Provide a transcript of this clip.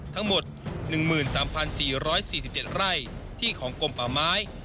ทั้งหมด๑๓๔๔๗ไร่ที่ของกลมป่าไม้